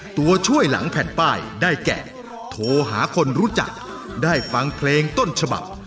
ตัวช่วยหลังแผ่นป้ายได้แก่โทรหาคนรู้จักได้ฟังเพลงต้นฉบับ